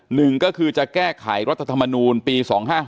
หนึ่งก็คือจะแก้ไขรัฐธรรมนูลปี๒๕๖